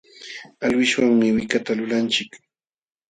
Alwishwanmi wikata lulanchik.